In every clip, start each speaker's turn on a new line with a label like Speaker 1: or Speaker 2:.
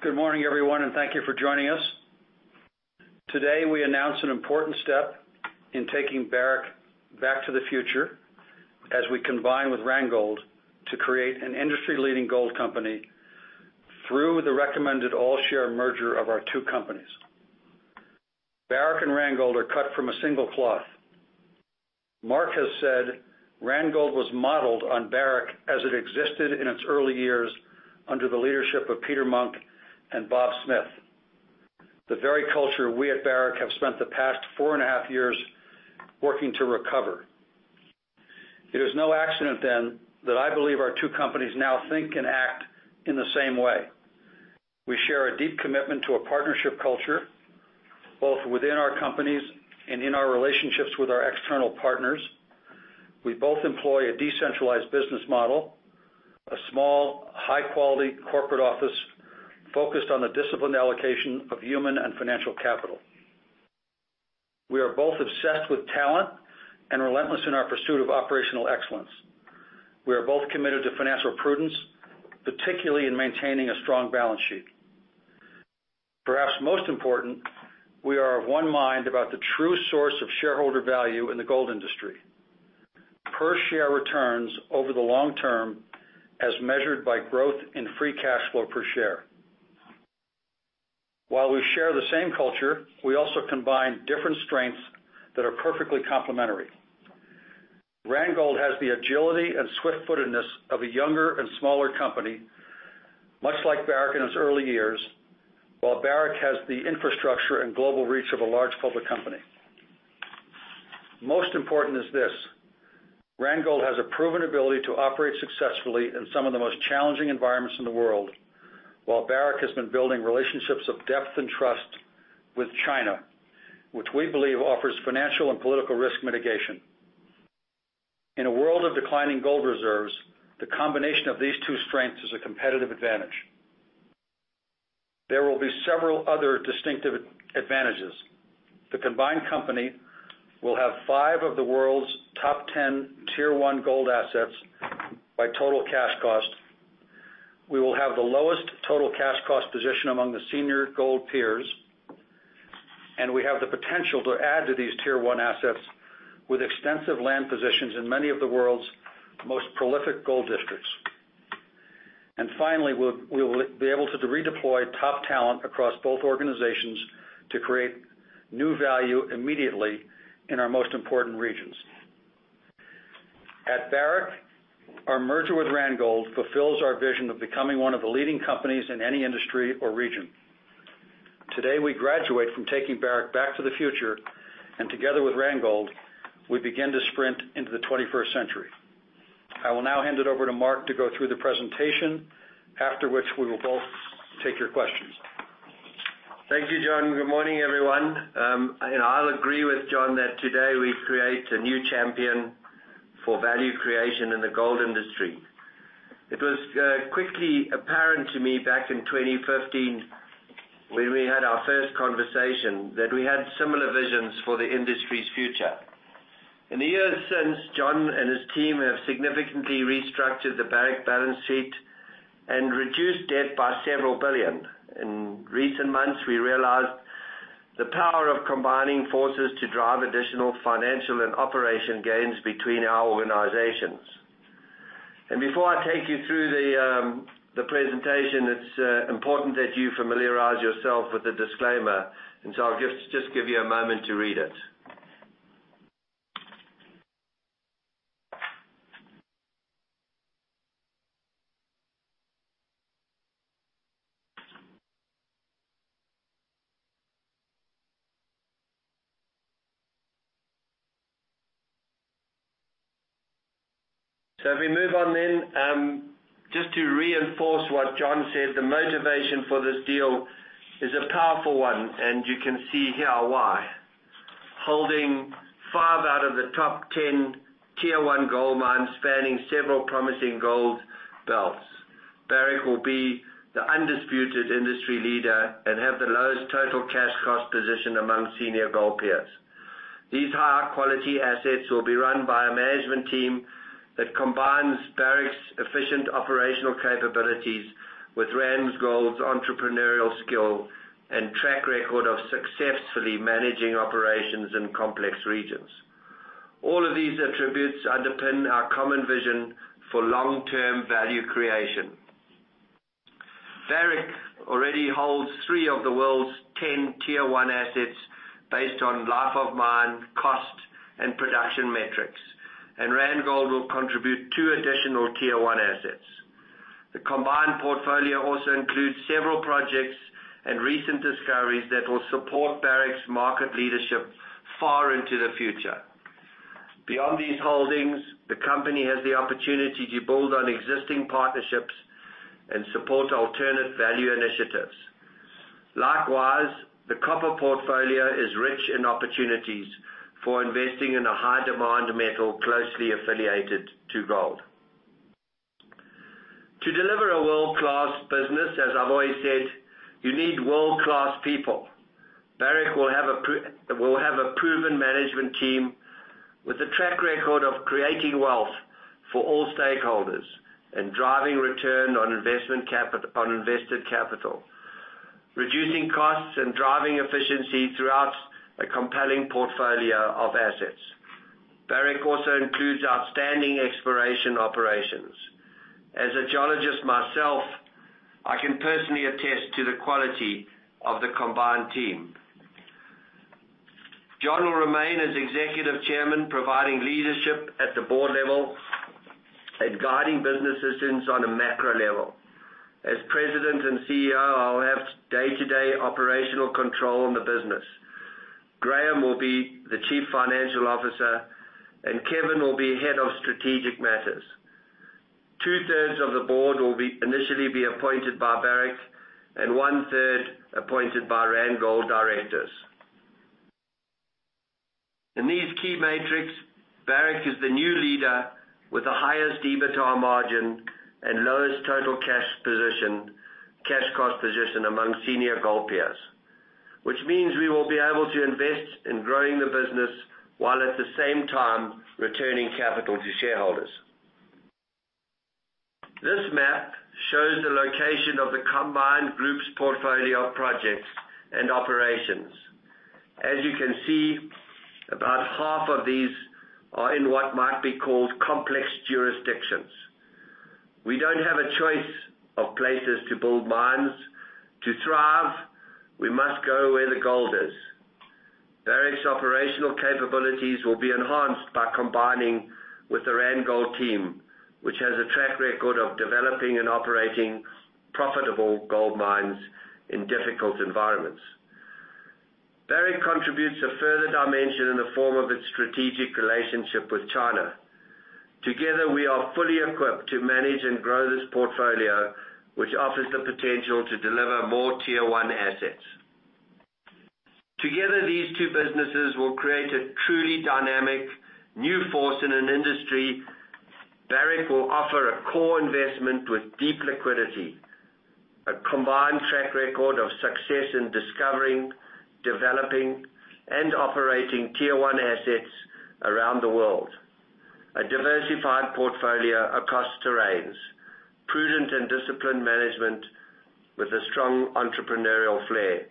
Speaker 1: Good morning, everyone, and thank you for joining us. Today, we announce an important step in taking Barrick back to the future as we combine with Randgold to create an industry-leading gold company through the recommended all-share merger of our two companies. Barrick and Randgold are cut from a single cloth. Mark has said Randgold was modeled on Barrick as it existed in its early years under the leadership of Peter Munk and Bob Smith. The very culture we at Barrick have spent the past four and a half years working to recover. It is no accident that I believe our two companies now think and act in the same way. We share a deep commitment to a partnership culture, both within our companies and in our relationships with our external partners. We both employ a decentralized business model, a small, high-quality corporate office focused on the disciplined allocation of human and financial capital. We are both obsessed with talent and relentless in our pursuit of operational excellence. We are both committed to financial prudence, particularly in maintaining a strong balance sheet. Perhaps most important, we are of one mind about the true source of shareholder value in the gold industry. Per share returns over the long term as measured by growth in free cash flow per share. While we share the same culture, we also combine different strengths that are perfectly complementary. Randgold has the agility and swift-footedness of a younger and smaller company, much like Barrick in its early years, while Barrick has the infrastructure and global reach of a large public company. Most important is this, Randgold has a proven ability to operate successfully in some of the most challenging environments in the world, while Barrick has been building relationships of depth and trust with China, which we believe offers financial and political risk mitigation. In a world of declining gold reserves, the combination of these two strengths is a competitive advantage. There will be several other distinctive advantages. The combined company will have five of the world's top 10 Tier One gold assets by total cash cost. We will have the lowest total cash cost position among the senior gold peers. We have the potential to add to these Tier One assets with extensive land positions in many of the world's most prolific gold districts. Finally, we'll be able to redeploy top talent across both organizations to create new value immediately in our most important regions. At Barrick, our merger with Randgold fulfills our vision of becoming one of the leading companies in any industry or region. Today, we graduate from taking Barrick back to the future. Together with Randgold, we begin to sprint into the 21st century. I will now hand it over to Mark to go through the presentation, after which we will both take your questions.
Speaker 2: Thank you, John. Good morning, everyone. I'll agree with John that today we create a new champion for value creation in the gold industry. It was quickly apparent to me back in 2015 when we had our first conversation that we had similar visions for the industry's future. In the years since, John and his team have significantly restructured the Barrick balance sheet and reduced debt by several billion. In recent months, we realized the power of combining forces to drive additional financial and operation gains between our organizations. Before I take you through the presentation, it's important that you familiarize yourself with the disclaimer, I'll just give you a moment to read it. If we move on, just to reinforce what John said, the motivation for this deal is a powerful one, you can see here why. Holding 5 out of the top 10 Tier One gold mines spanning several promising gold belts. Barrick will be the undisputed industry leader and have the lowest total cash cost position among senior gold peers. These high-quality assets will be run by a management team that combines Barrick's efficient operational capabilities with Randgold's entrepreneurial skill and track record of successfully managing operations in complex regions. All of these attributes underpin our common vision for long-term value creation. Barrick already holds 3 of the world's 10 Tier One assets based on life of mine, cost, and production metrics, Randgold will contribute 2 additional Tier One assets. The combined portfolio also includes several projects and recent discoveries that will support Barrick's market leadership far into the future. Beyond these holdings, the company has the opportunity to build on existing partnerships and support alternate value initiatives. The copper portfolio is rich in opportunities for investing in a high-demand metal closely affiliated to gold. To deliver a world-class business, as I've always said, you need world-class people. Barrick will have a proven management team with a track record of creating wealth for all stakeholders and driving return on invested capital, reducing costs and driving efficiency throughout a compelling portfolio of assets. Barrick also includes outstanding exploration operations. As a geologist myself, I can personally attest to the quality of the combined team. John will remain as Executive Chairman, providing leadership at the board level and guiding business decisions on a macro level. As President and CEO, I'll have day-to-day operational control in the business. Graham will be the Chief Financial Officer, Kevin will be Head of Strategic Matters. Two-thirds of the board will initially be appointed by Barrick and one-third appointed by Randgold directors. In these key metrics, Barrick is the new leader with the highest EBITDA margin and lowest total cash cost position among senior gold peers, which means we will be able to invest in growing the business while at the same time returning capital to shareholders. This map shows the location of the combined group's portfolio of projects and operations. As you can see, about half of these are in what might be called complex jurisdictions. We don't have a choice of places to build mines. To thrive, we must go where the gold is. Barrick's operational capabilities will be enhanced by combining with the Randgold team, which has a track record of developing and operating profitable gold mines in difficult environments. Barrick contributes a further dimension in the form of its strategic relationship with China. Together, we are fully equipped to manage and grow this portfolio, which offers the potential to deliver more Tier One assets. Together, these two businesses will create a truly dynamic new force in an industry. Barrick will offer a core investment with deep liquidity, a combined track record of success in discovering, developing, and operating Tier One assets around the world, a diversified portfolio across terrains, prudent and disciplined management with a strong entrepreneurial flair,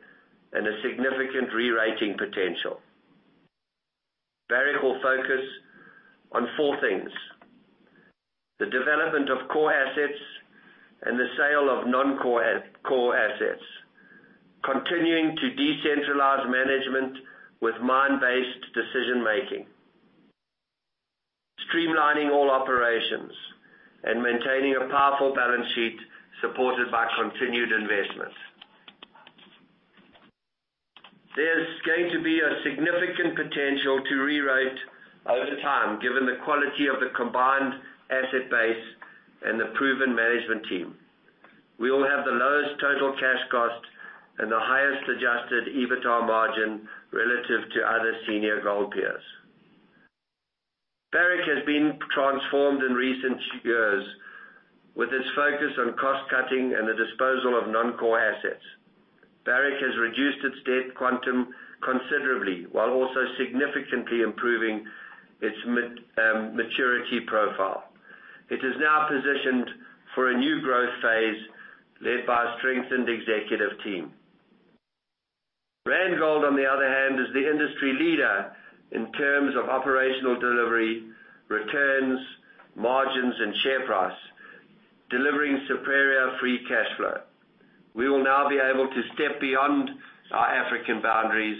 Speaker 2: and a significant rerating potential. Barrick will focus on four things, the development of core assets and the sale of non-core assets, continuing to decentralize management with mine-based decision making, streamlining all operations, and maintaining a powerful balance sheet supported by continued investments. There's going to be a significant potential to rerate over time, given the quality of the combined asset base and the proven management team. We will have the lowest total cash cost and the highest adjusted EBITDA margin relative to other senior gold peers. Barrick has been transformed in recent years with its focus on cost-cutting and the disposal of non-core assets. Barrick has reduced its debt quantum considerably while also significantly improving its maturity profile. It is now positioned for a new growth phase led by a strengthened executive team. Randgold, on the other hand, is the industry leader in terms of operational delivery, returns, margins, and share price, delivering superior free cash flow. We will now be able to step beyond our African boundaries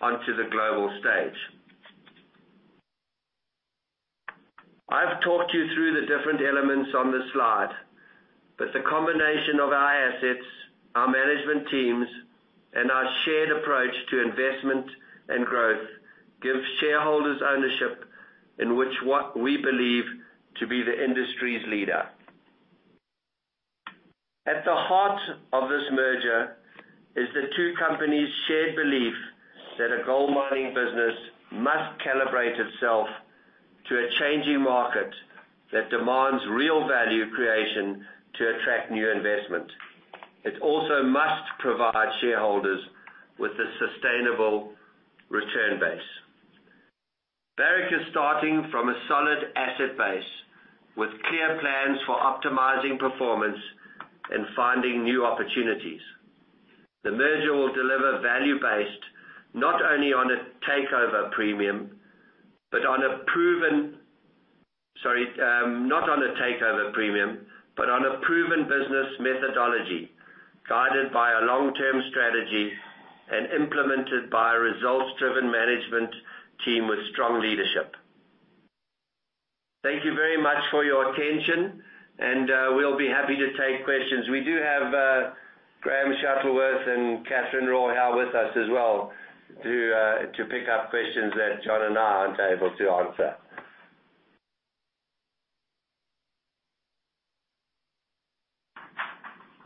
Speaker 2: onto the global stage. I've talked you through the different elements on this slide, but the combination of our assets, our management teams, and our shared approach to investment and growth gives shareholders ownership in which we believe to be the industry's leader. At the heart of this merger is the two companies' shared belief that a gold mining business must calibrate itself to a changing market that demands real value creation to attract new investment. It also must provide shareholders with a sustainable return base. Barrick is starting from a solid asset base with clear plans for optimizing performance and finding new opportunities. The merger will deliver value based not only on a takeover premium but on a proven business methodology guided by a long-term strategy and implemented by a results-driven management team with strong leadership. Thank you very much for your attention. We'll be happy to take questions. We do have Graham Shuttleworth and Catherine Raw here with us as well to pick up questions that John and I aren't able to answer.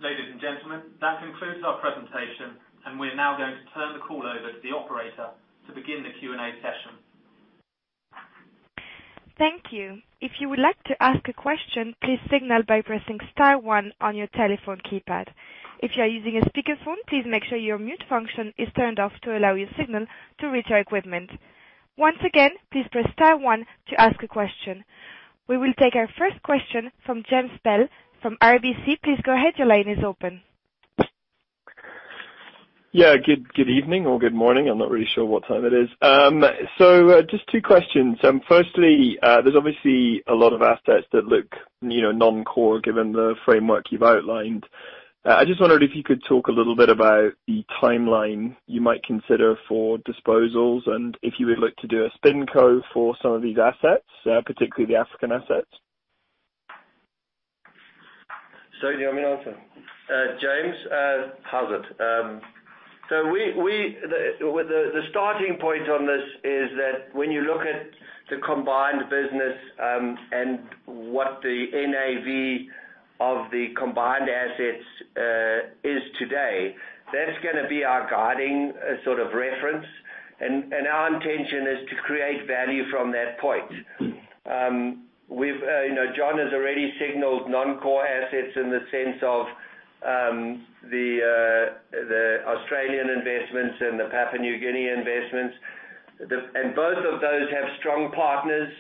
Speaker 3: Ladies and gentlemen, that concludes our presentation. We're now going to turn the call over to the operator to begin the Q&A session.
Speaker 4: Thank you. If you would like to ask a question, please signal by pressing star one on your telephone keypad. If you are using a speakerphone, please make sure your mute function is turned off to allow your signal to reach our equipment. Once again, please press star one to ask a question. We will take our first question from James Bell from RBC. Please go ahead. Your line is open.
Speaker 5: Yeah. Good evening or good morning. I'm not really sure what time it is. Just two questions. Firstly, there's obviously a lot of assets that look non-core, given the framework you've outlined. I just wondered if you could talk a little bit about the timeline you might consider for disposals and if you would look to do a SpinCo for some of these assets, particularly the African assets.
Speaker 2: Do you want me to answer? James, how is it? The starting point on this is that when you look at the combined business and what the NAV of the combined assets is today, that's gonna be our guiding sort of reference, and our intention is to create value from that point. John has already signaled non-core assets in the sense of the Australian investments and the Papua New Guinea investments. Both of those have strong partners.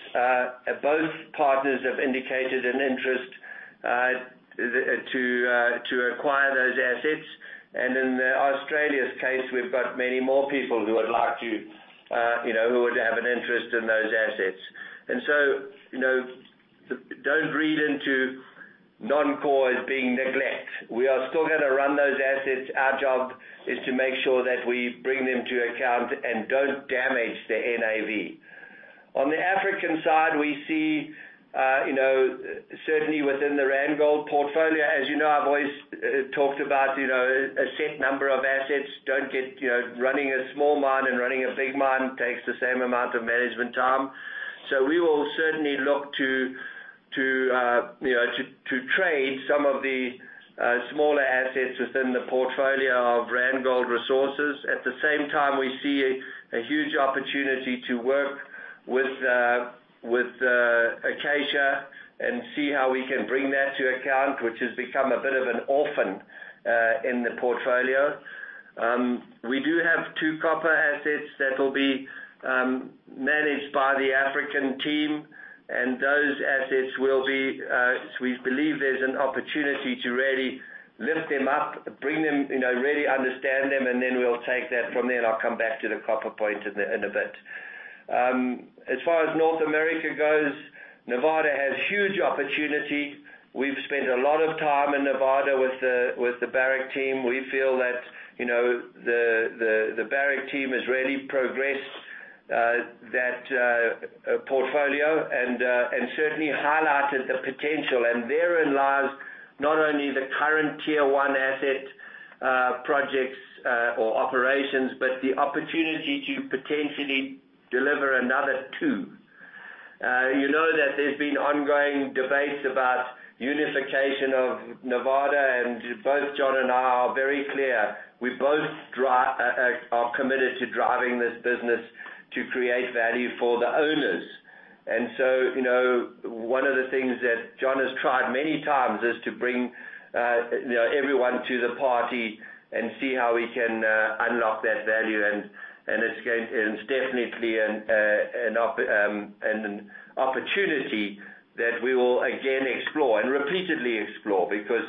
Speaker 2: Both partners have indicated an interest to acquire those assets. In Australia's case, we've got many more people who would have an interest in those assets. Don't read into non-core as being neglect. We are still gonna run those assets. Our job is to make sure that we bring them to account and don't damage the NAV. On the African side, we see certainly within the Randgold portfolio, as you know, I've always talked about a set number of assets. Running a small mine and running a big mine takes the same amount of management time. We will certainly look to trade some of the smaller assets within the portfolio of Randgold Resources. At the same time, we see a huge opportunity to work with Acacia and see how we can bring that to account, which has become a bit of an orphan in the portfolio. We do have two copper assets that will be managed by the African team, and those assets we believe there's an opportunity to really lift them up, really understand them, and then we'll take that from there, and I'll come back to the copper point in a bit. As far as North America goes, Nevada has huge opportunity. We've spent a lot of time in Nevada with the Barrick team. We feel that the Barrick team has really progressed that portfolio and certainly highlighted the potential. Therein lies not only the current Tier One asset projects or operations, but the opportunity to potentially deliver another two. You know that there's been ongoing debates about unification of Nevada. Both John and I are very clear, we both are committed to driving this business to create value for the owners. One of the things that John has tried many times is to bring everyone to the party and see how we can unlock that value. It's definitely an opportunity that we will again explore and repeatedly explore because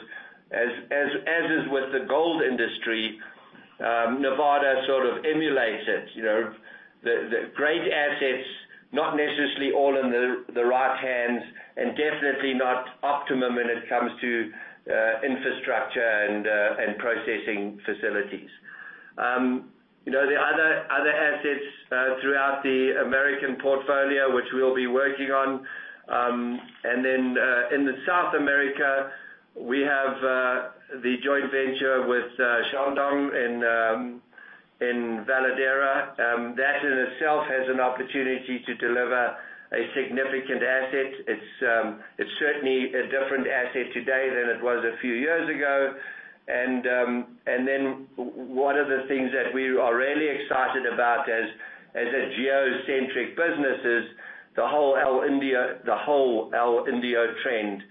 Speaker 2: as is with the gold industry, Nevada sort of emulates it. The great assets, not necessarily all in the right hands, and definitely not optimum when it comes to infrastructure and processing facilities. There are other assets throughout the American portfolio, which we'll be working on. In the South America, we have the joint venture with Shandong Gold in Veladero. That in itself has an opportunity to deliver a significant asset. It's certainly a different asset today than it was a few years ago. One of the things that we are really excited about as a geocentric business is the whole El Indio trend.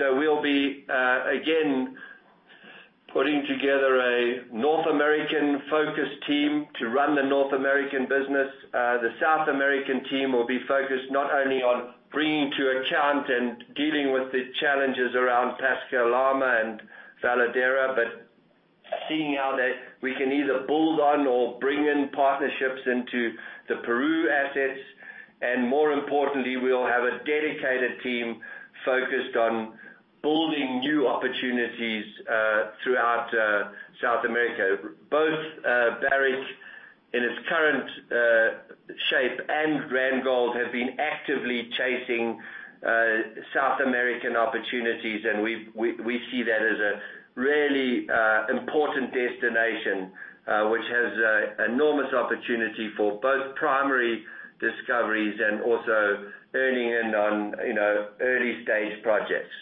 Speaker 2: We'll be again putting together a North American-focused team to run the North American business. The South American team will be focused not only on bringing to account and dealing with the challenges around Pascua Lama and Veladero, but seeing how that we can either build on or bring in partnerships into the Peru assets. More importantly, we'll have a dedicated team focused on building new opportunities throughout South America. Both Barrick in its current shape and Randgold Resources have been actively chasing South American opportunities, and we see that as a really important destination which has enormous opportunity for both primary discoveries and also earning in on early-stage projects.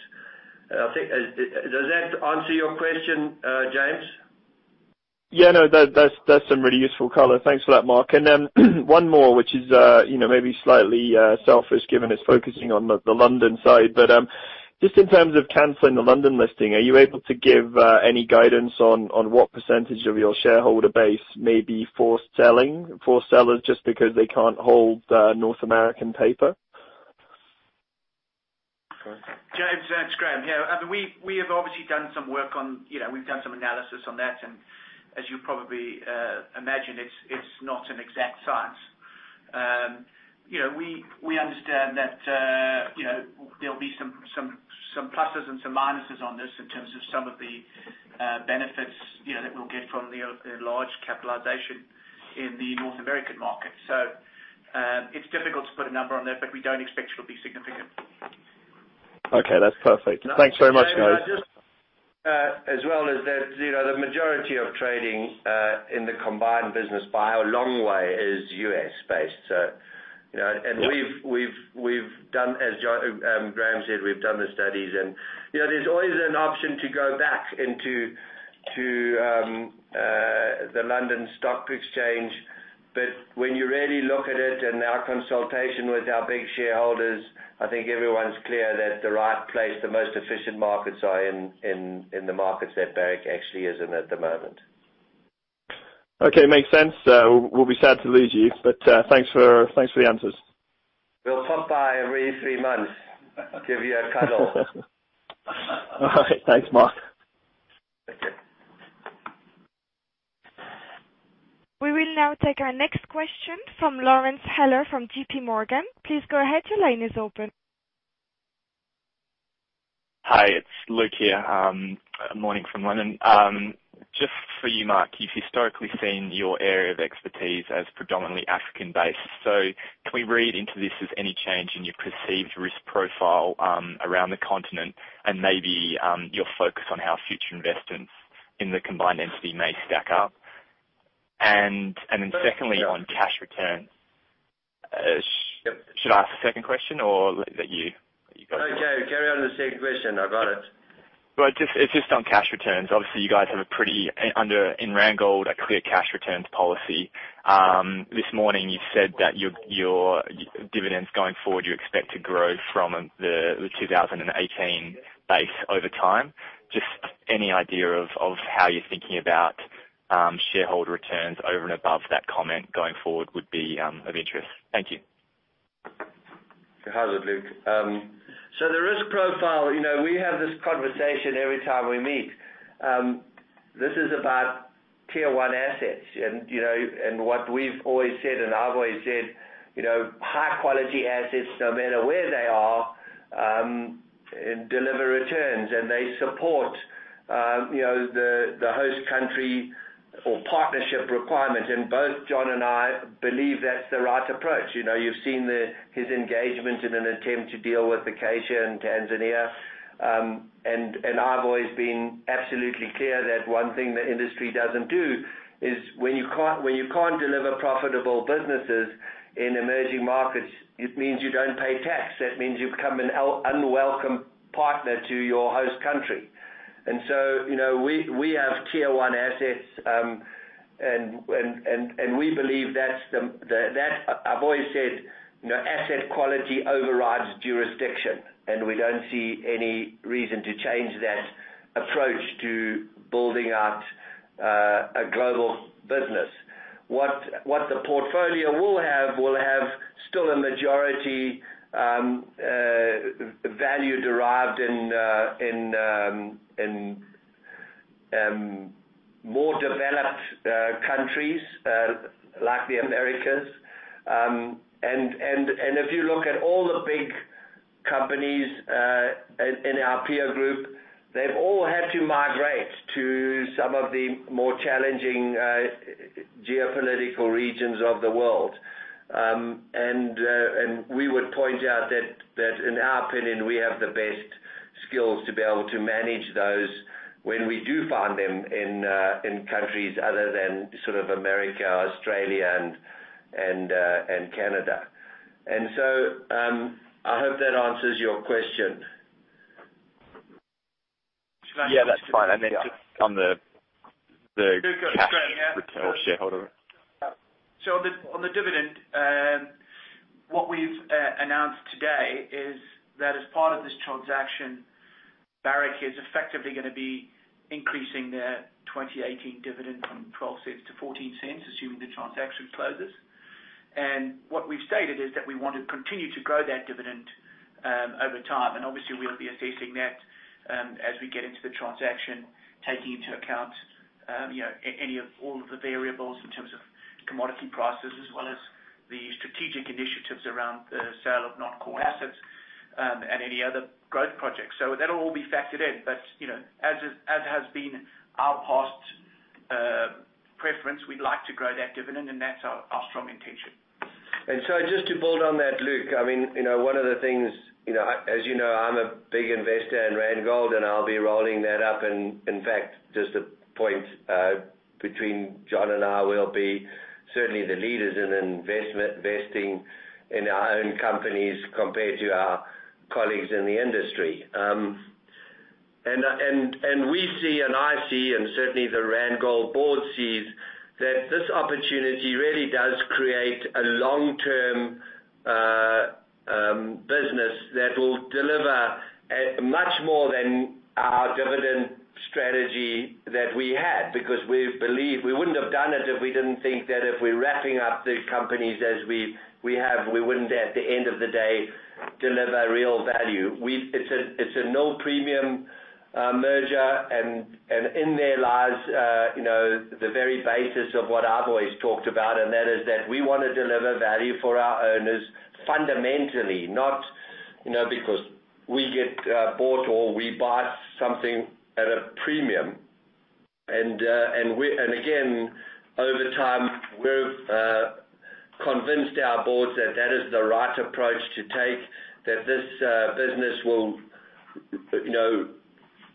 Speaker 2: Does that answer your question, James?
Speaker 5: Yeah, no, that's some really useful color. Thanks for that, Mark. One more, which is maybe slightly selfish given it's focusing on the London side, but just in terms of canceling the London listing, are you able to give any guidance on what % of your shareholder base may be for selling, for sellers, just because they can't hold North American paper?
Speaker 3: James, it's Graham. We've done some analysis on that, as you probably imagine, it's not an exact science. We understand that there'll be some pluses and some minuses on this in terms of some of the benefits that we'll get from the large capitalization in the North American market. It's difficult to put a number on that, but we don't expect it'll be significant.
Speaker 5: Okay. That's perfect. Thanks very much, guys.
Speaker 2: Just as well as that, the majority of trading in the combined business by a long way is U.S.-based. As Graham said, we've done the studies and there's always an option to go back into the London Stock Exchange. When you really look at it and our consultation with our big shareholders, I think everyone's clear that the right place, the most efficient markets are in the markets that Barrick actually is in at the moment.
Speaker 5: Okay. Makes sense. We'll be sad to lose you. Thanks for the answers.
Speaker 2: We'll pop by every three months. Give you a cuddle.
Speaker 5: All right. Thanks, Mark.
Speaker 2: Thank you.
Speaker 4: We will now take our next question from Lawson Winder from JPMorgan. Please go ahead. Your line is open.
Speaker 6: Hi, it's Luke here. Morning from London. Just for you, Mark, you've historically seen your area of expertise as predominantly African-based. Can we read into this as any change in your perceived risk profile around the continent and maybe your focus on how future investments in the combined entity may stack up? Secondly, on cash returns.
Speaker 2: Yep.
Speaker 6: Should I ask the second question or leave that to you? You go first.
Speaker 2: Okay. Carry on with the second question. I've got it.
Speaker 6: It's just on cash returns. Obviously, you guys have a pretty, in Randgold, a clear cash returns policy. This morning you said that your dividends going forward, you expect to grow from the 2018 base over time. Just any idea of how you're thinking about shareholder returns over and above that comment going forward would be of interest. Thank you.
Speaker 2: Howzit, Luke. The risk profile, we have this conversation every time we meet. This is about Tier One assets and what we've always said, and I've always said, high quality assets, no matter where they are, deliver returns and they support the host country or partnership requirement. Both John and I believe that's the right approach. You've seen his engagement in an attempt to deal with Acacia Mining and Tanzania. I've always been absolutely clear that one thing the industry doesn't do is when you can't deliver profitable businesses in emerging markets, it means you don't pay tax. That means you become an unwelcome partner to your host country. We have Tier One assets, and we believe I've always said, asset quality overrides jurisdiction, and we don't see any reason to change that approach to building out a global business. What the portfolio will have still a majority value derived in more developed countries like the Americas. If you look at all the big companies in our peer group, they've all had to migrate to some of the more challenging geopolitical regions of the world. We would point out that in our opinion, we have the best skills to be able to manage those when we do find them in countries other than sort of the U.S., Australia and Canada. I hope that answers your question.
Speaker 6: Yeah, that's fine. Just on the cash-
Speaker 3: Luke, it's Graham, yeah
Speaker 6: retail shareholder.
Speaker 3: On the dividend, what we've announced today is that as part of this transaction, Barrick is effectively gonna be increasing their 2018 dividend from $0.12 to $0.14, assuming the transaction closes. What we've stated is that we want to continue to grow that dividend over time. Obviously we'll be assessing that as we get into the transaction, taking into account all of the variables in terms of commodity prices as well as the strategic initiatives around the sale of non-core assets, and any other growth projects. That'll all be factored in, but as has been our past preference, we'd like to grow that dividend and that's our strong intention.
Speaker 2: Just to build on that, Luke, one of the things, as you know, I'm a big investor in Randgold, and I'll be rolling that up. In fact, just a point, between John and I, we'll be certainly the leaders in investing in our own companies compared to our colleagues in the industry. We see, and I see, and certainly the Randgold board sees, that this opportunity really does create a long-term business that will deliver much more than our dividend strategy that we had, because we wouldn't have done it if we didn't think that if we're wrapping up these companies as we have, we wouldn't, at the end of the day, deliver real value. It's a no premium merger. In there lies the very basis of what I've always talked about, that is that we want to deliver value for our owners fundamentally, not because we get bought or we buy something at a premium. Again, over time, we've convinced our boards that that is the right approach to take, that this business will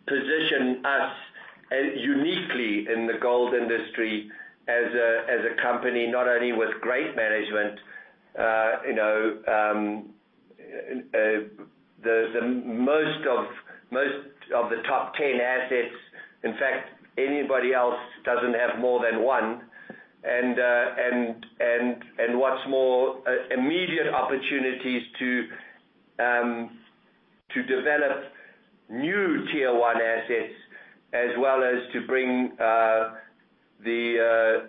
Speaker 2: position us uniquely in the gold industry as a company, not only with great management. Most of the top 10 assets, in fact, anybody else doesn't have more than one. What's more, immediate opportunities to develop new Tier One assets, as well as to bring the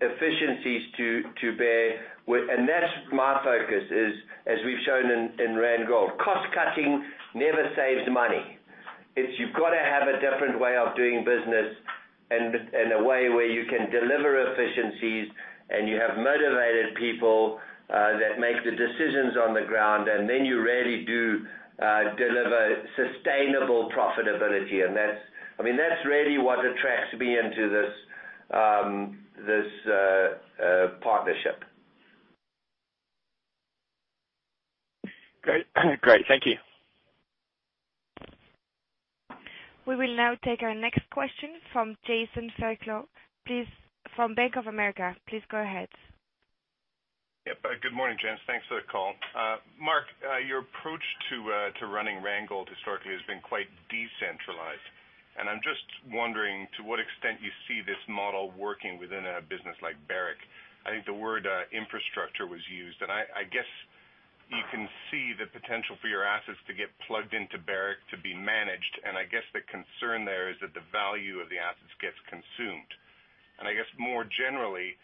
Speaker 2: efficiencies to bear. That's my focus is, as we've shown in Randgold, cost-cutting never saves money. It's you've got to have a different way of doing business and a way where you can deliver efficiencies, and you have motivated people that make the decisions on the ground, and then you really do deliver sustainable profitability. That's really what attracts me into this partnership.
Speaker 6: Great. Thank you.
Speaker 4: We will now take our next question from Jason Fairclough from Bank of America. Please go ahead.
Speaker 7: Yep. Good morning, gents. Thanks for the call. Mark, your approach to running Randgold historically has been quite decentralized. I'm just wondering to what extent you see this model working within a business like Barrick. I think the word infrastructure was used, I guess you can see the potential for your assets to get plugged into Barrick to be managed, I guess the concern there is that the value of the assets gets consumed. I guess more generally,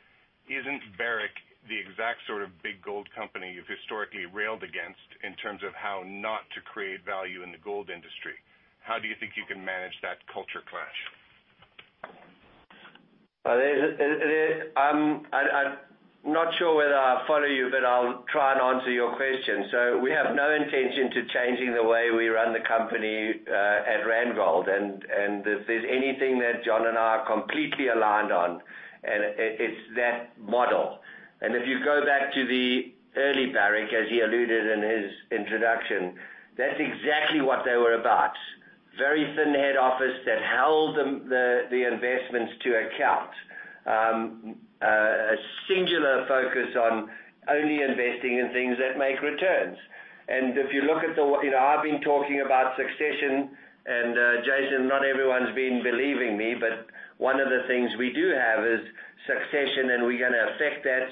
Speaker 7: isn't Barrick the exact sort of big gold company you've historically railed against in terms of how not to create value in the gold industry? How do you think you can manage that culture clash?
Speaker 2: I'm not sure whether I follow you, but I'll try and answer your question. We have no intention to changing the way we run the company at Randgold. If there's anything that John and I are completely aligned on, it's that model. If you go back to the early Barrick, as he alluded in his introduction, that's exactly what they were about. Very thin head office that held the investments to account. A singular focus on only investing in things that make returns. I've been talking about succession, Jason, not everyone's been believing me, but one of the things we do have is succession. We're going to effect that,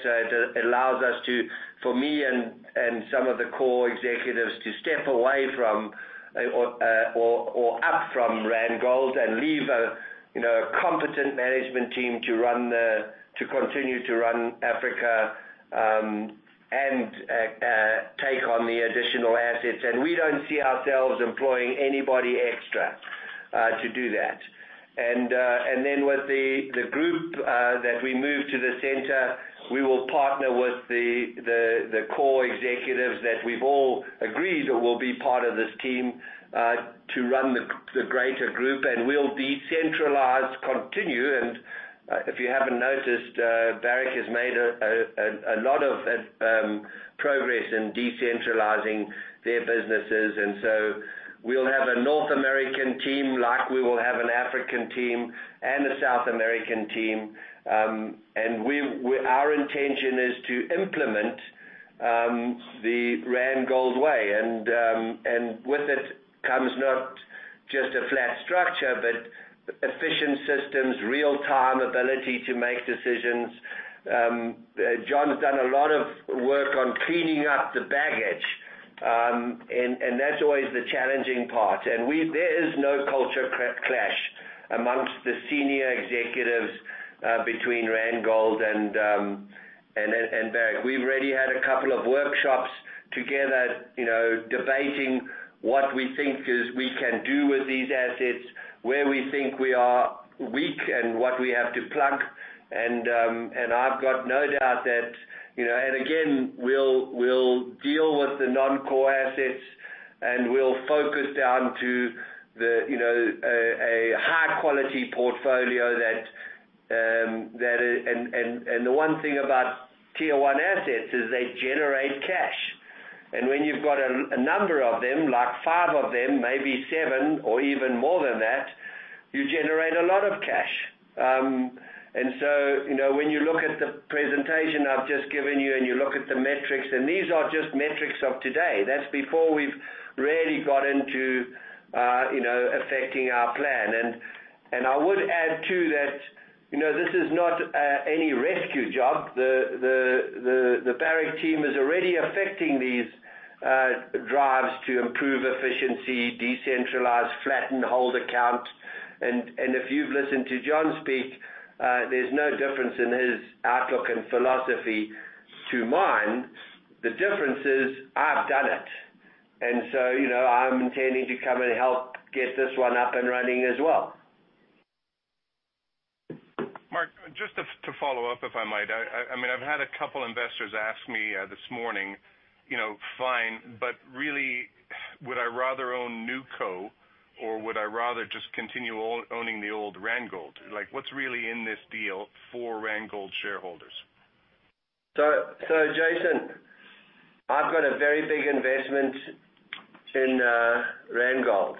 Speaker 2: it allows us to, for me and some of the core executives, to step away from or up from Randgold and leave a competent management team to continue to run Africa, and take on the additional assets. We don't see ourselves employing anybody extra to do that. With the group that we move to the center, we will partner with the core executives that we've all agreed will be part of this team to run the greater group, and we'll decentralize continue. If you haven't noticed, Barrick has made a lot of progress in decentralizing their businesses. We'll have a North American team like we will have an African team and a South American team. Our intention is to implement the Randgold way. With it comes not just a flat structure, but efficient systems, real-time ability to make decisions. John has done a lot of work on cleaning up the baggage. That's always the challenging part. There is no culture clash amongst the senior executives between Randgold and Barrick. We've already had a couple of workshops together debating what we think we can do with these assets, where we think we are weak and what we have to plug. I've got no doubt that again, we'll deal with the non-core assets, and we'll focus down to a high-quality portfolio that. The one thing about Tier One assets is they generate cash. When you've got a number of them, like five of them, maybe seven or even more than that. You generate a lot of cash. When you look at the presentation I've just given you and you look at the metrics, these are just metrics of today, that's before we've really got into affecting our plan. I would add, too, that this is not any rescue job. The Barrick team is already affecting these drives to improve efficiency, decentralize, flatten, hold account. If you've listened to John speak, there's no difference in his outlook and philosophy to mine. The difference is, I've done it. I'm intending to come and help get this one up and running as well.
Speaker 7: Mark, just to follow up, if I might. I've had a couple investors ask me this morning, fine, but really, would I rather own NewCo or would I rather just continue owning the old Randgold? What's really in this deal for Randgold shareholders?
Speaker 2: Jason, I've got a very big investment in Randgold,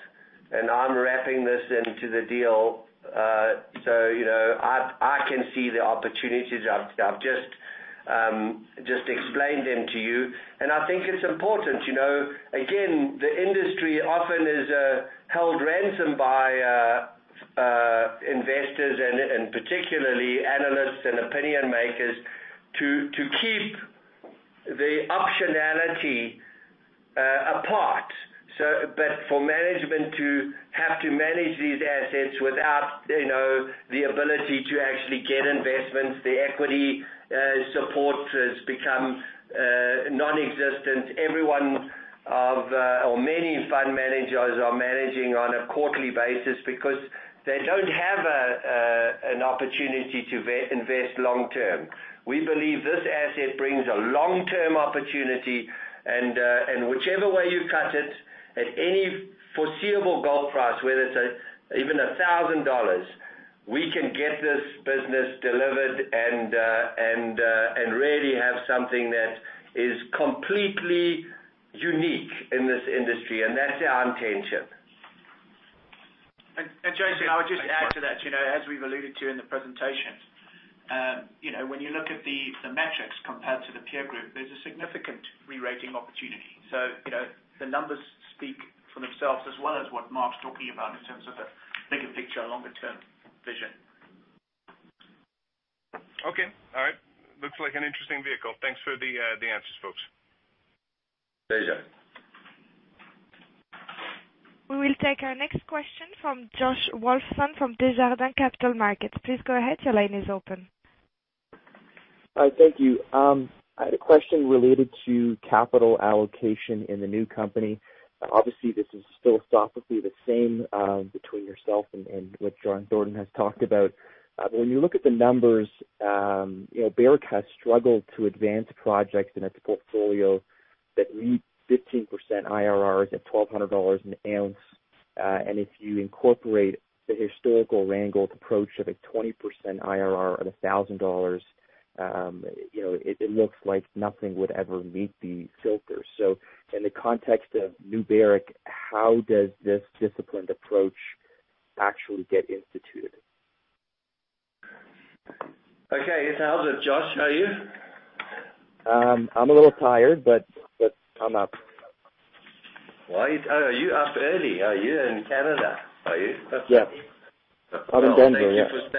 Speaker 2: and I'm wrapping this into the deal. I can see the opportunities. I've just explained them to you, and I think it's important. Again, the industry often is held ransom by investors and particularly analysts and opinion makers to keep the optionality apart. For management to have to manage these assets without the ability to actually get investments, the equity support has become nonexistent. Many fund managers are managing on a quarterly basis because they don't have an opportunity to invest long-term. We believe this asset brings a long-term opportunity, whichever way you cut it, at any foreseeable gold price, whether it's even $1,000, we can get this business delivered and really have something that is completely unique in this industry, that's our intention.
Speaker 3: Jason, I would just add to that, as we've alluded to in the presentation, when you look at the metrics compared to the peer group, there's a significant re-rating opportunity. The numbers speak for themselves as well as what Mark's talking about in terms of a bigger picture, longer-term vision.
Speaker 7: Okay. All right. Looks like an interesting vehicle. Thanks for the answers, folks.
Speaker 2: Pleasure.
Speaker 4: We will take our next question from Josh Wolfson from Desjardins Capital Markets. Please go ahead. Your line is open.
Speaker 8: Thank you. I had a question related to capital allocation in the new company. Obviously, this is philosophically the same between yourself and what John Thornton has talked about. When you look at the numbers, Barrick has struggled to advance projects in its portfolio that need 15% IRRs at $1,200 an ounce. If you incorporate the historical Randgold approach of a 20% IRR at $1,000, it looks like nothing would ever meet the filter. In the context of New Barrick, how does this disciplined approach actually get instituted?
Speaker 2: Okay. Josh, are you?
Speaker 8: I'm a little tired. I'm up.
Speaker 2: Oh, are you up early? Are you in Canada, are you?
Speaker 8: Yeah. I'm in Denver, yeah.
Speaker 2: Oh, thank you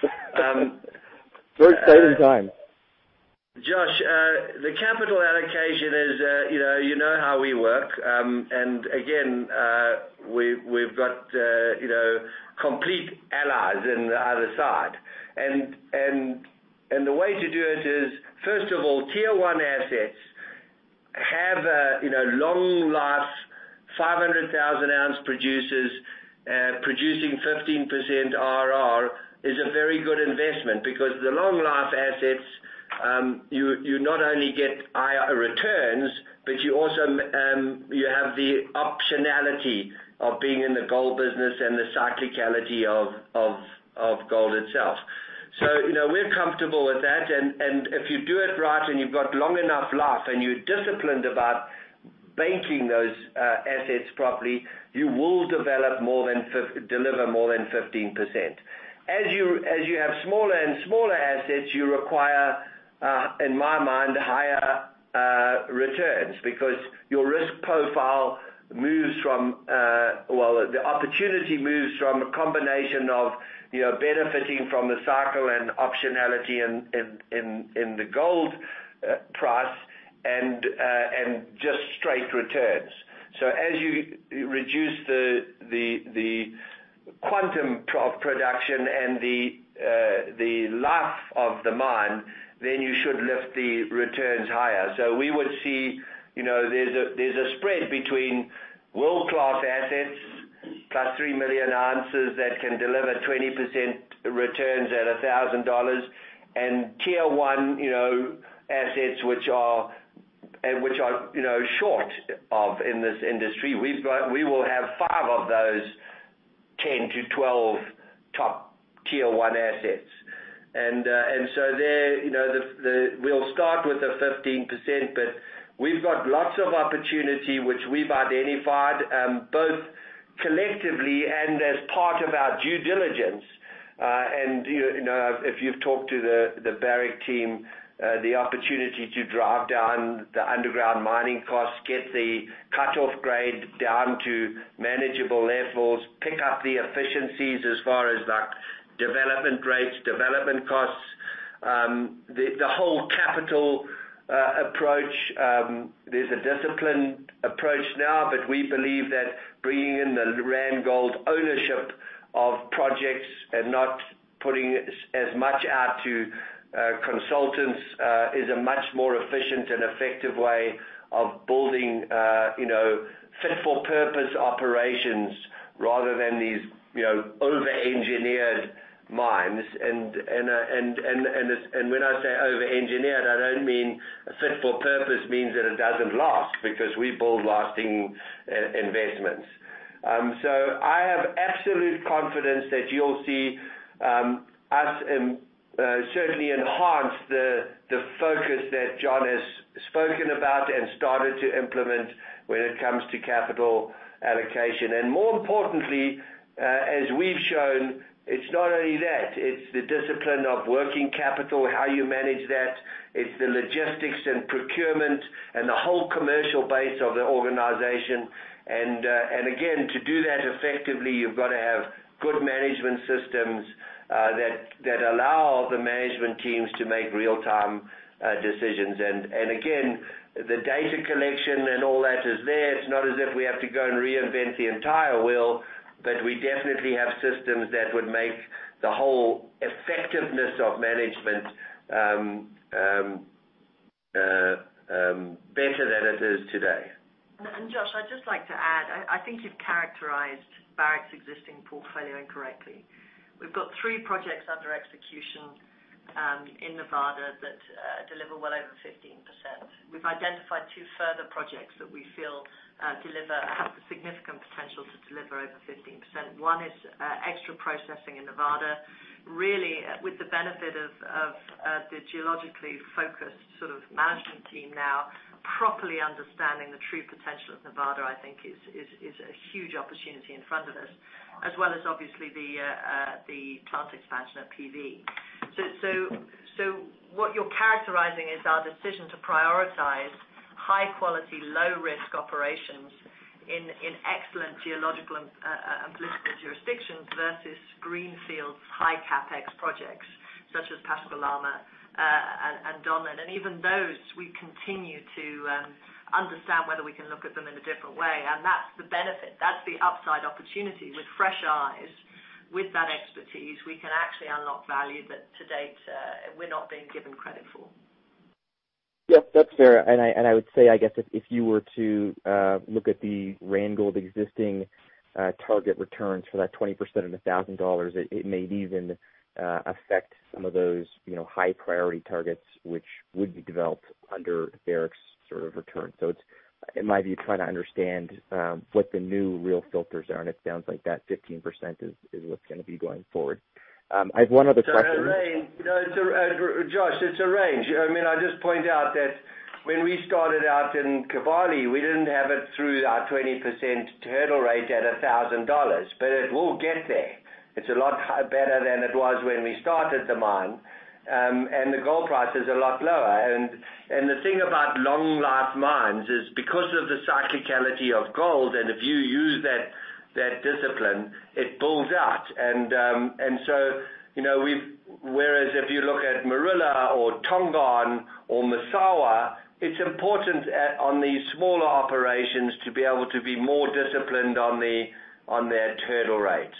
Speaker 2: for staying up.
Speaker 8: Third time in time.
Speaker 2: Josh, the capital allocation is, you know how we work. We've got complete allies in the other side. The way to do it is, first of all, Tier One assets have long life, 500,000-ounce producers producing 15% IRR is a very good investment, because the long life assets, you not only get IRR returns, but you have the optionality of being in the gold business and the cyclicality of gold itself. We're comfortable with that, and if you do it right and you've got long enough life and you're disciplined about banking those assets properly, you will deliver more than 15%. As you have smaller and smaller assets, you require, in my mind, higher returns because your risk profile moves from. Well, the opportunity moves from a combination of benefiting from the cycle and optionality in the gold price and just straight returns. As you reduce the quantum of production and the life of the mine, you should lift the returns higher. We would see there's a spread between world-class assets, plus 3 million ounces that can deliver 20% returns at $1,000, and Tier One assets which are short of in this industry. We will have five of those 10-12 top Tier One assets. There, we'll start with the 15%, but we've got lots of opportunity which we've identified, both collectively and as part of our due diligence. If you've talked to the Barrick team, the opportunity to drive down the underground mining costs, get the cut-off grade down to manageable levels, pick up the efficiencies as far as development rates, development costs. The whole capital approach, there's a disciplined approach now, but we believe that bringing in the Randgold ownership of projects and not putting as much out to consultants, is a much more efficient and effective way of building fit-for-purpose operations rather than these over-engineered mines. When I say over-engineered, I don't mean a fit-for-purpose means that it doesn't last, because we build lasting investments. I have absolute confidence that you'll see us certainly enhance the focus that John has spoken about and started to implement when it comes to capital allocation. More importantly, as we've shown, it's not only that, it's the discipline of working capital, how you manage that. It's the logistics and procurement and the whole commercial base of the organization. Again, to do that effectively, you've got to have good management systems, that allow the management teams to make real-time decisions. Again, the data collection and all that is there. It's not as if we have to go and reinvent the entire wheel, but we definitely have systems that would make the whole effectiveness of management better than it is today.
Speaker 9: Josh, I'd just like to add, I think you've characterized Barrick's existing portfolio incorrectly. We've got three projects under execution in Nevada that deliver well over 15%. We've identified two further projects that we feel have the significant potential to deliver over 15%. One is extra processing in Nevada, really with the benefit of the geologically focused management team now properly understanding the true potential of Nevada, I think is a huge opportunity in front of us, as well as obviously the plant expansion at PV. What you're characterizing is our decision to prioritize high quality, low risk operations in excellent geological and political jurisdictions versus greenfield high CapEx projects such as Pascua Lama, and Donlin. Even those we continue to understand whether we can look at them in a different way. That's the benefit. That's the upside opportunity with fresh eyes. With that expertise, we can actually unlock value that to date, we're not being given credit for.
Speaker 8: Yes, that's fair. I would say, I guess if you were to look at the Randgold existing target returns for that 20% and $1,000, it may even affect some of those high priority targets which would be developed under Barrick's sort of return. It might be trying to understand what the new real filters are, and it sounds like that 15% is what's going to be going forward. I have one other question.
Speaker 2: Josh, it's a range. I just point out that when we started out in Kibali, we didn't have it through our 20% hurdle rate at $1,000, but it will get there. It's a lot better than it was when we started the mine, and the gold price is a lot lower. The thing about long life mines is because of the cyclicality of gold, and if you use that discipline, it builds out and whereas if you look at Morila or Tongon or Massawa, it's important on these smaller operations to be able to be more disciplined on their hurdle rate.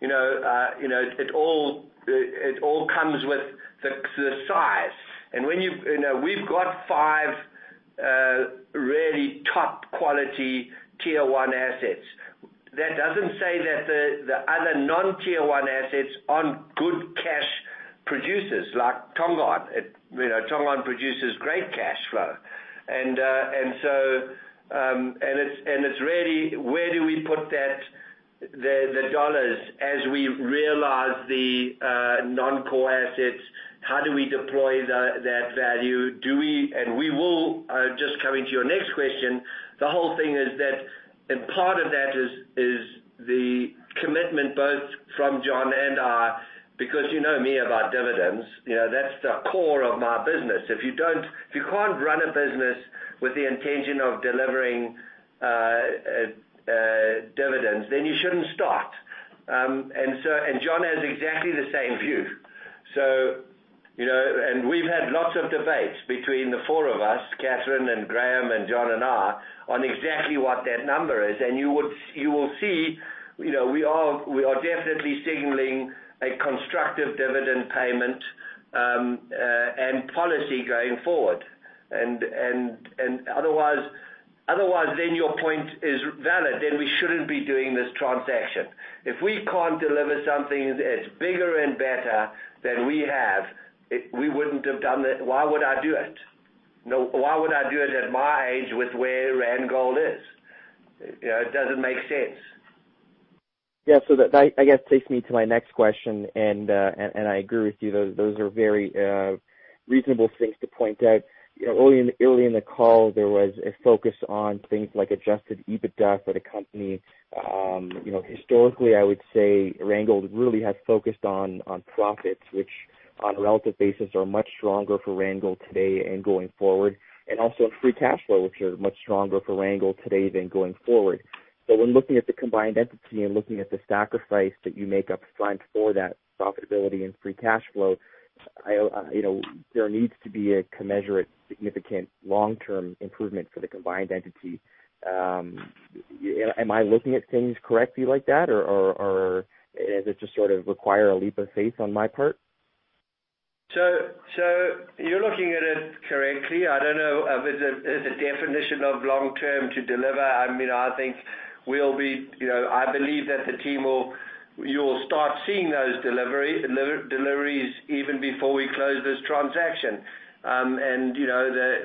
Speaker 2: It all comes with the size. We've got five really top qualityTier One assets. That doesn't say that the other non-Tier One assets aren't good cash producers like Tongon. Tongon produces great cash flow. It's really where do we put the dollars as we realize the non-core assets? How do we deploy that value? We will just come into your next question. The whole thing is that, and part of that is the commitment both from John and I, because you know me about dividends, that's the core of my business. If you can't run a business with the intention of delivering dividends, then you shouldn't start. John has exactly the same view. We've had lots of debates between the four of us, Catherine and Graham and John and I, on exactly what that number is. You will see, we are definitely signaling a constructive dividend payment, and policy going forward. Otherwise then your point is valid, then we shouldn't be doing this transaction. Yeah. If we can't deliver something as bigger and better than we have, we wouldn't have done it. Why would I do it? Why would I do it at my age with where Randgold is? It doesn't make sense.
Speaker 8: Yeah. That, I guess, takes me to my next question, and I agree with you, those are very reasonable things to point out. Early in the call, there was a focus on things like adjusted EBITDA for the company. Historically, I would say Randgold really has focused on profits, which on a relative basis are much stronger for Randgold today and going forward. Also on free cash flow, which are much stronger for Randgold today then going forward. When looking at the combined entity and looking at the sacrifice that you make up front for that profitability and free cash flow, there needs to be a commensurate significant long-term improvement for the combined entity. Am I looking at things correctly like that, or does it just sort of require a leap of faith on my part?
Speaker 2: You're looking at it correctly. I don't know if it's a definition of long term to deliver. I believe that the team You will start seeing those deliveries even before we close this transaction.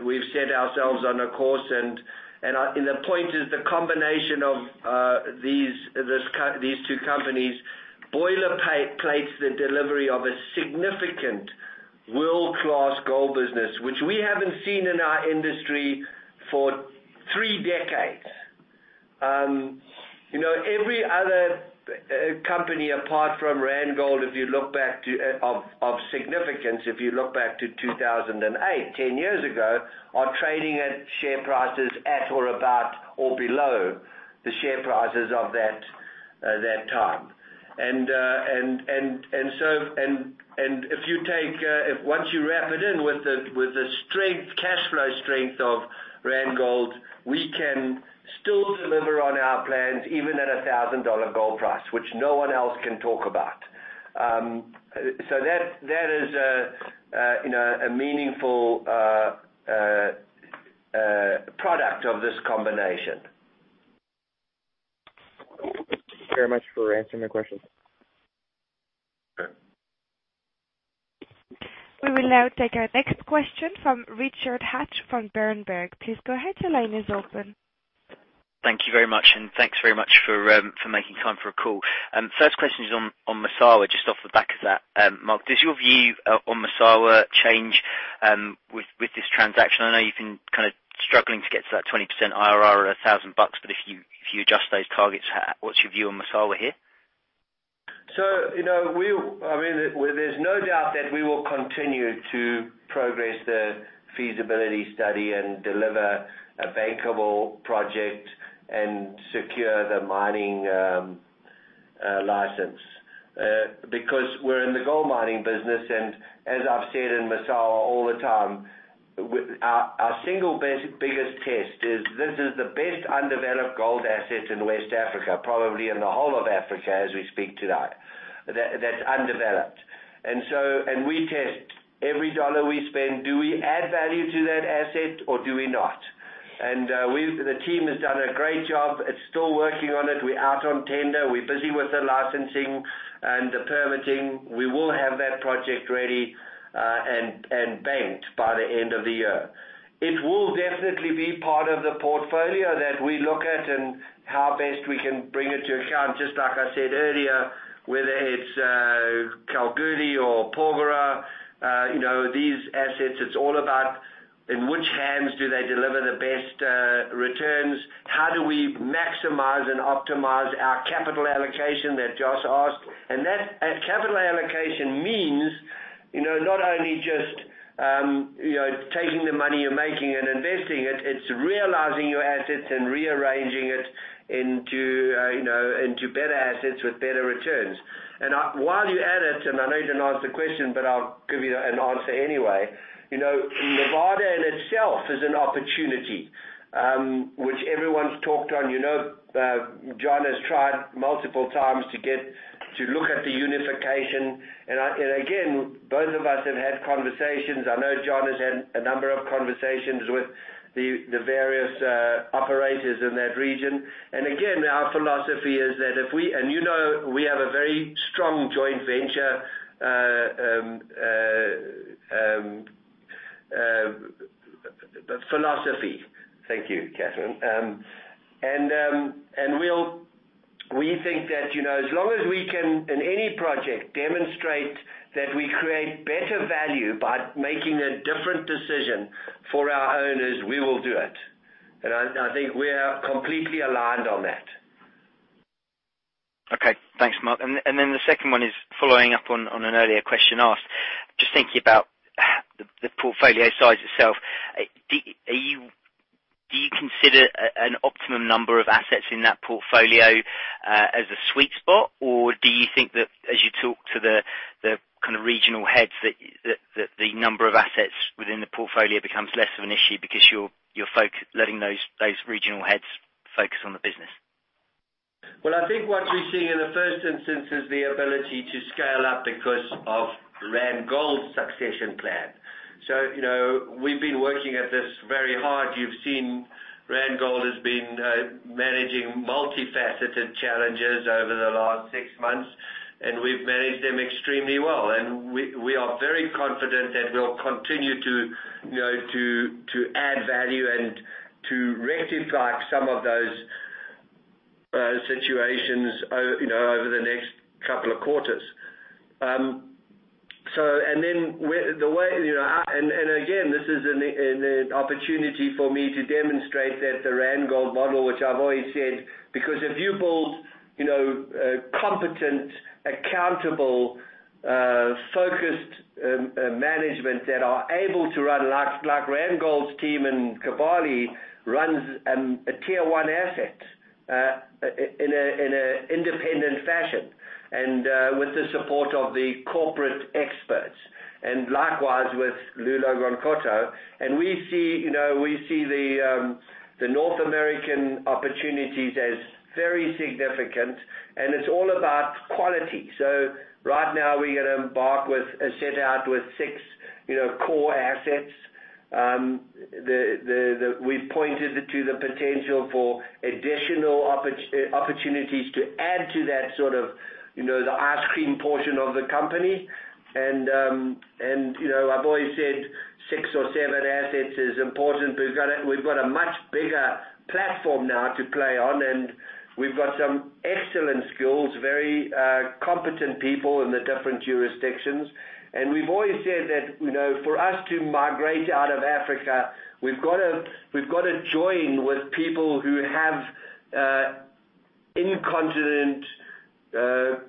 Speaker 2: We've set ourselves on a course, and the point is the combination of these two companies boilerplates the delivery of a significant world-class gold business, which we haven't seen in our industry for three decades. Every other company apart from Randgold, of significance, if you look back to 2008, 10 years ago, are trading at share prices at or about or below the share prices of that time. Once you wrap it in with the cash flow strength of Randgold, we can still deliver on our plans even at $1,000 gold price, which no one else can talk about. That is a meaningful product of this combination.
Speaker 8: Thank you very much for answering the questions.
Speaker 4: We will now take our next question from Richard Hatch from Berenberg. Please go ahead. Your line is open.
Speaker 10: Thank you very much. Thanks very much for making time for a call. First question is on Massawa, just off the back of that. Mark, does your view on Massawa change with this transaction? I know you've been kind of struggling to get to that 20% IRR at $1,000, but if you adjust those targets, what's your view on Massawa here?
Speaker 2: There's no doubt that we will continue to progress the feasibility study and deliver a bankable project and secure the mining license because we're in the gold mining business. As I've said in Massawa all the time, our single biggest test is this is the best undeveloped gold asset in West Africa, probably in the whole of Africa as we speak today. That's undeveloped. We test every dollar we spend, do we add value to that asset or do we not? The team has done a great job. It's still working on it. We're out on tender. We're busy with the licensing and the permitting. We will have that project ready and banked by the end of the year. It will definitely be part of the portfolio that we look at and how best we can bring it to account, just like I said earlier, whether it's Carlin or Porgera, these assets, it's all about in which hands do they deliver the best returns, how do we maximize and optimize our capital allocation that Josh asked. Capital allocation means, not only just taking the money you're making and investing it's realizing your assets and rearranging it into better assets with better returns. While you're at it, and I know you didn't ask the question, but I'll give you an answer anyway. Nevada in itself is an opportunity, which everyone's talked on. John has tried multiple times to look at the unification. Again, both of us have had conversations. I know John has had a number of conversations with the various operators in that region. Again, our philosophy is that if we You know we have a very strong joint venture philosophy. Thank you, Catherine. We think that, as long as we can, in any project, demonstrate that we create better value by making a different decision for our owners, we will do it. I think we are completely aligned on that.
Speaker 10: Okay. Thanks, Mark. Then the second one is following up on an earlier question asked. Just thinking about the portfolio size itself, do you consider an optimum number of assets in that portfolio as a sweet spot, or do you think that as you talk to the kind of regional heads, that the number of assets within the portfolio becomes less of an issue because you're letting those regional heads focus on the business?
Speaker 2: Well, I think what we're seeing in the first instance is the ability to scale up because of Randgold's succession plan. We've been working at this very hard. You've seen Randgold has been managing multifaceted challenges over the last six months. We've managed them extremely well. We are very confident that we'll continue to add value and to rectify some of those situations over the next couple of quarters. Again, this is an opportunity for me to demonstrate that the Randgold model, which I've always said, because if you build competent, accountable, focused management that are able to run, like Randgold's team and Kibali runs a Tier One asset in an independent fashion, and with the support of the corporate experts, and likewise with Loulo-Gounkoto. We see the North American opportunities as very significant, and it's all about quality. Right now we're going to embark with a set out with six core assets. We've pointed to the potential for additional opportunities to add to that sort of, the ice cream portion of the company. I've always said six or seven assets is important, but we've got a much bigger platform now to play on, and we've got some excellent skills, very competent people in the different jurisdictions. We've always said that for us to migrate out of Africa, we've got to join with people who have in-continent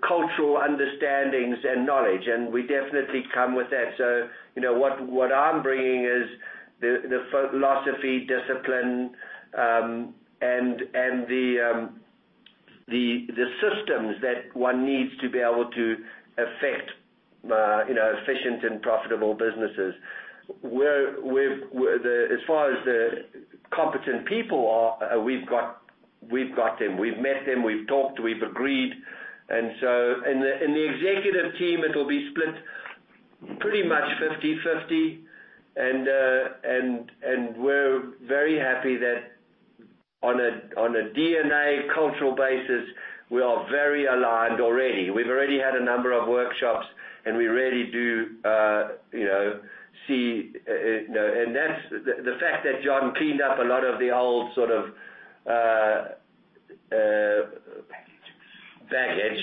Speaker 2: cultural understandings and knowledge. We definitely come with that. What I'm bringing is the philosophy, discipline, and the systems that one needs to be able to effect efficient and profitable businesses. As far as the competent people are, we've got them. We've met them, we've talked, we've agreed. The executive team, it'll be split pretty much 50/50. We're very happy that on a DNA cultural basis, we are very aligned already. We've already had a number of workshops, and we really do see The fact that John cleaned up a lot of the old sort of
Speaker 10: Baggage
Speaker 2: baggage.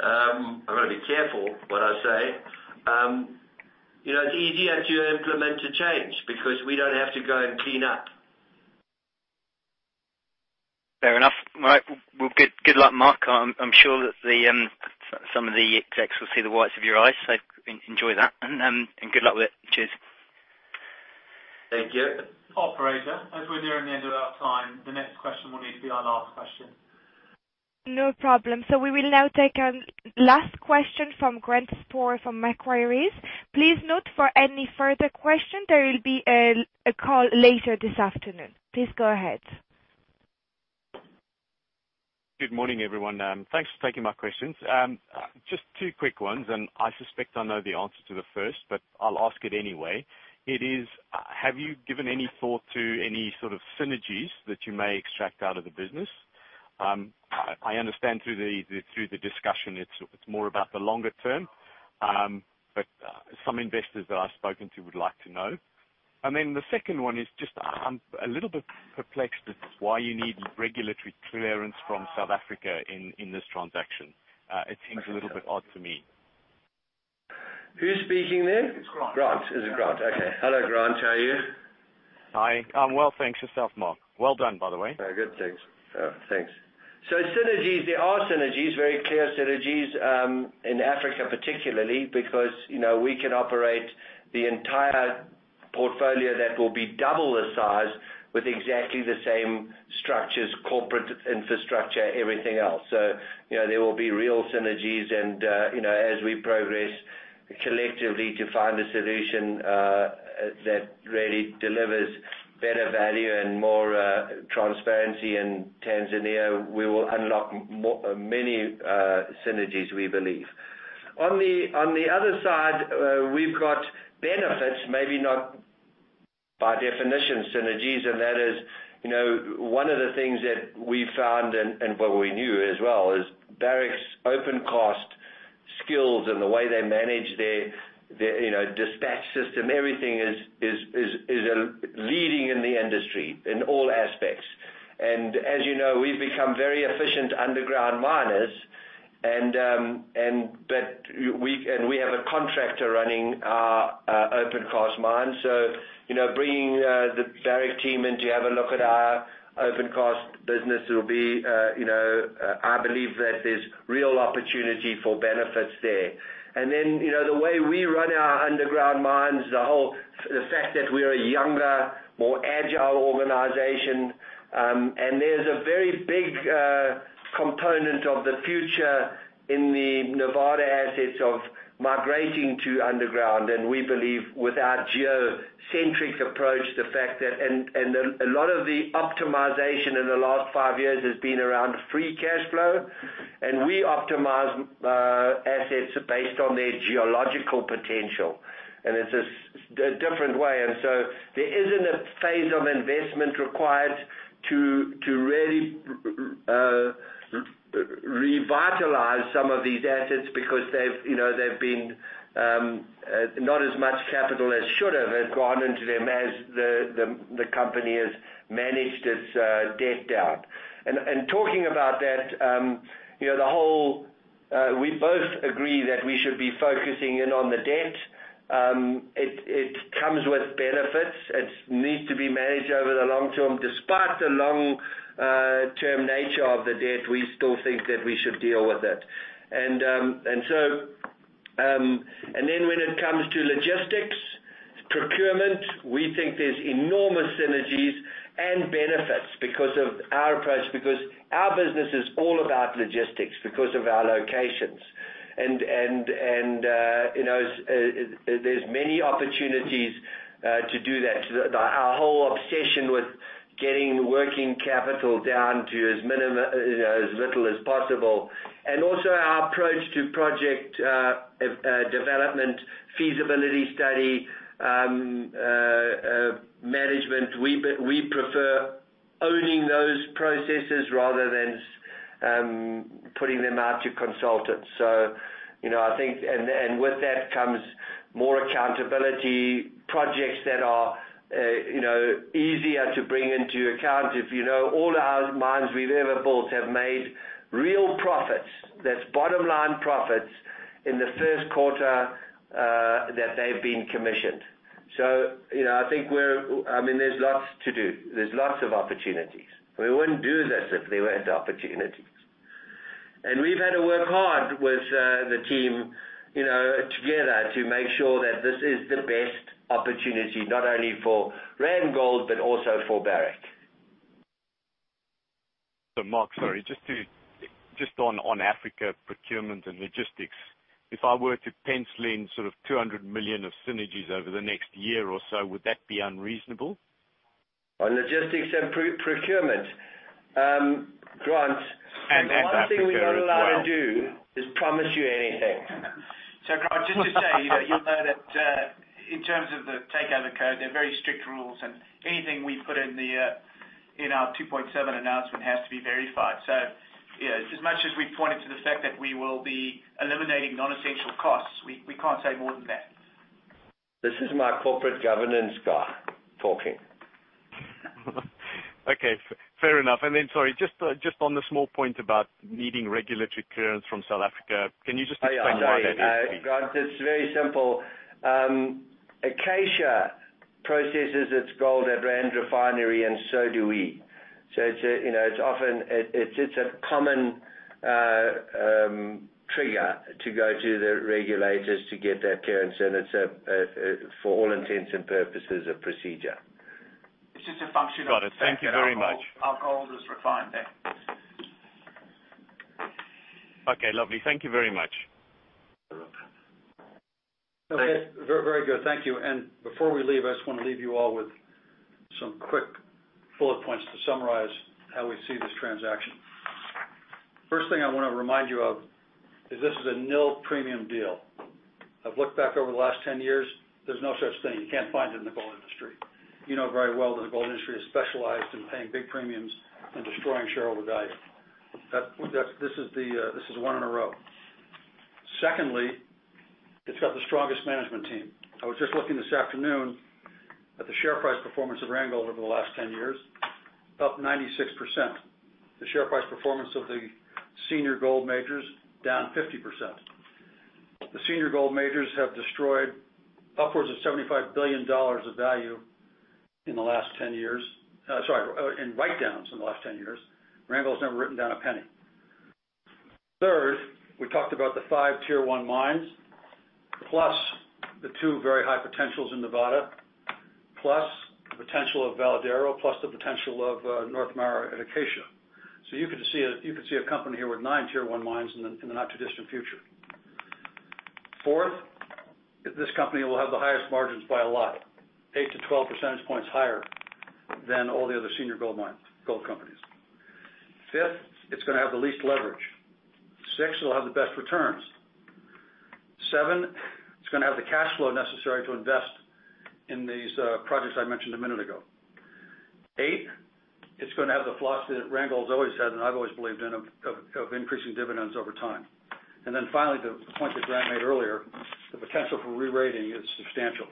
Speaker 2: I've got to be careful what I say. It's easier to implement a change because we don't have to go and clean up.
Speaker 10: Fair enough. All right. Good luck, Mark. I'm sure that some of the execs will see the whites of your eyes. Enjoy that and good luck with it. Cheers.
Speaker 2: Thank you.
Speaker 3: Operator, as we're nearing the end of our time, the next question will need to be our last question.
Speaker 4: No problem. We will now take our last question from Grant Sporre from Macquarie. Please note for any further question, there will be a call later this afternoon. Please go ahead.
Speaker 11: Good morning, everyone. Thanks for taking my questions. Just two quick ones, I suspect I know the answer to the first, but I'll ask it anyway. It is, have you given any thought to any sort of synergies that you may extract out of the business? I understand through the discussion, it's more about the longer term. Some investors that I've spoken to would like to know. The second one is just, I'm a little bit perplexed as to why you need regulatory clearance from South Africa in this transaction. It seems a little bit odd to me.
Speaker 2: Who's speaking there?
Speaker 11: It's Grant.
Speaker 2: Grant. Is it Grant? Okay. Hello, Grant. How are you?
Speaker 11: Hi. I'm well, thanks. Yourself, Mark? Well done, by the way.
Speaker 2: Very good, thanks. Synergies, there are synergies, very clear synergies, in Africa particularly because we can operate the entire portfolio that will be double the size with exactly the same structures, corporate infrastructure, everything else. There will be real synergies and as we progress collectively to find a solution that really delivers better value and more transparency in Tanzania, we will unlock many synergies, we believe. On the other side, we've got benefits, maybe not by definition synergies, and that is, one of the things that we found and what we knew as well is Barrick's open-pit skills and the way they manage their dispatch system, everything is leading in the industry in all aspects. As you know, we've become very efficient underground miners, and we have a contractor running our open-pit mine. Bringing the Barrick team in to have a look at our open-pit business, I believe that there's real opportunity for benefits there. The way we run our underground mines, the fact that we're a younger, more agile organization, and there's a very big component of the future in the Nevada assets of migrating to underground, and we believe with our geocentric approach, the fact that a lot of the optimization in the last five years has been around free cash flow, and we optimize assets based on their geological potential. It's a different way. There isn't a phase of investment required to really revitalize some of these assets because they've been not as much capital as should have, has gone into them as the company has managed its debt down. Talking about that, we both agree that we should be focusing in on the debt. It comes with benefits. It needs to be managed over the long term. Despite the long-term nature of the debt, we still think that we should deal with it. When it comes to logistics, procurement, we think there's enormous synergies and benefits because of our approach, because our business is all about logistics because of our locations. There's many opportunities to do that. Our whole obsession with getting working capital down to as little as possible and also our approach to project development, feasibility study, management, we prefer owning those processes rather than putting them out to consultants. With that comes more accountability projects that are easier to bring into account if you know all our mines we've ever bought have made real profits. That's bottom line profits in the first quarter that they've been commissioned. I think there's lots to do. There's lots of opportunities. We wouldn't do this if there weren't opportunities. We've had to work hard with the team together to make sure that this is the best opportunity, not only for Randgold, but also for Barrick.
Speaker 11: Mark, sorry, just on Africa procurement and logistics, if I were to pencil in sort of $200 million of synergies over the next year or so, would that be unreasonable?
Speaker 2: On logistics and procurement, Grant
Speaker 11: Africa as well
Speaker 2: The one thing we're not allowed to do is promise you anything.
Speaker 3: Grant, just to say, you'll know that, in terms of the Takeover Code, they're very strict rules and anything we put in our 2.7 announcement has to be verified. As much as we pointed to the fact that we will be eliminating non-essential costs, we can't say more than that.
Speaker 2: This is my corporate governance guy talking.
Speaker 11: Okay, fair enough. Then, sorry, just on the small point about needing regulatory clearance from South Africa, can you just explain where that is, please?
Speaker 2: Grant, it's very simple. Acacia processes its gold at Rand Refinery and so do we. It's a common trigger to go to the regulators to get that clearance, and it's, for all intents and purposes, a procedure.
Speaker 3: It's just a function of the.
Speaker 11: Got it. Thank you very much.
Speaker 3: our gold is refined there.
Speaker 11: Okay, lovely. Thank you very much.
Speaker 2: You're welcome.
Speaker 3: Okay.
Speaker 1: Very good. Thank you. Before we leave, I just want to leave you all with some quick bullet points to summarize how we see this transaction. First thing I want to remind you of is this is a nil-premium deal. I've looked back over the last 10 years, there's no such thing. You can't find it in the gold industry. You know very well that the gold industry is specialized in paying big premiums and destroying shareholder value. This is one in a row. Secondly, it's got the strongest management team. I was just looking this afternoon at the share price performance of Randgold over the last 10 years, up 96%. The share price performance of the senior gold majors, down 50%. The senior gold majors have destroyed upwards of $75 billion of value in the last 10 years. Sorry, in write downs in the last 10 years. Randgold's never written down a penny. Third, we talked about the 5 Tier One mines, plus the 2 very high potentials in Nevada, plus the potential of Veladero, plus the potential of North Mara and Acacia. You could see a company here with 9 Tier One mines in the not-too-distant future. Fourth, this company will have the highest margins by a lot. 8 to 12 percentage points higher than all the other senior gold companies. Fifth, it's going to have the least leverage. Six, it'll have the best returns. Seven, it's going to have the cash flow necessary to invest in these projects I mentioned a minute ago. Eight, it's going to have the philosophy that Randgold's always had, and I've always believed in, of increasing dividends over time. Finally, the point that Grant made earlier, the potential for re-rating is substantial.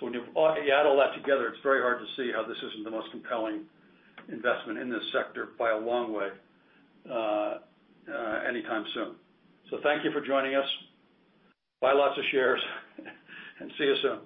Speaker 1: When you add all that together, it's very hard to see how this isn't the most compelling investment in this sector by a long way anytime soon. Thank you for joining us. Buy lots of shares and see you soon.